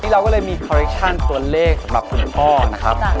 เราก็เลยมีคอลเคชั่นตัวเลขสำหรับคุณพ่อนะครับ